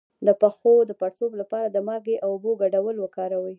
د پښو د پړسوب لپاره د مالګې او اوبو ګډول وکاروئ